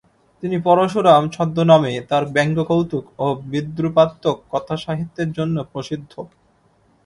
তিনি পরশুরাম ছদ্মনামে তার ব্যঙ্গকৌতুক ও বিদ্রুপাত্মক কথাসাহিত্যের জন্য প্রসিদ্ধ।